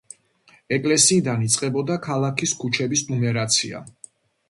ეკლესიიდან იწყებოდა ქალაქის ქუჩების ნუმერაცია.